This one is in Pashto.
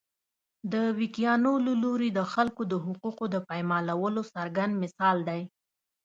د ویګیانو له لوري د خلکو د حقونو د پایمالولو څرګند مثال دی.